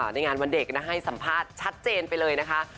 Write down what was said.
ในงานวันเด็กนะให้สัมภาษณ์ชัดเจนไปเลยนะคะ